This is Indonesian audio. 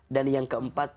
dan yang keempat